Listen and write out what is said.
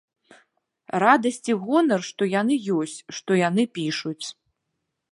Радасць і гонар, што яны ёсць, што яны пішуць.